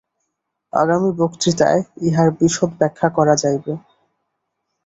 আগামী বক্তৃতায় ইহার বিশদ ব্যাখ্যা করা যাইবে।